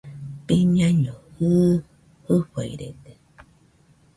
Biñaino jɨɨ, fɨfairede